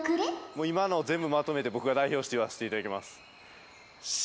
もう今のを全部まとめてボクが代表して言わせていただきます。